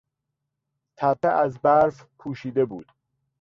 تپه از برف پوشیده بود.